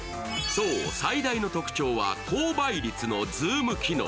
最大の特徴は高倍率のズーム機能。